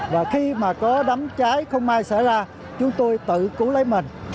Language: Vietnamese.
và khi mà có đấm cháy không ai xảy ra chúng tôi tự cứu lấy mình